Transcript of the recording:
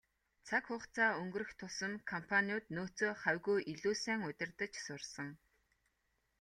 Цаг хугацаа өнгөрөх тусам компаниуд нөөцөө хавьгүй илүү сайн удирдаж сурсан.